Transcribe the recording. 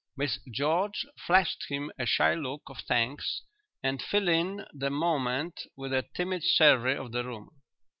Miss George flashed him a shy look of thanks and filled in the moment with a timid survey of the room.